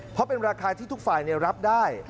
เพราะเป็นราคาที่ทุกฝ่ายรับได้